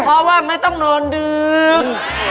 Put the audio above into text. เพราะว่าไม่ต้องโนนดึก